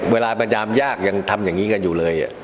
เวลาประจำยากยังทำยังงี้กันอยู่เลย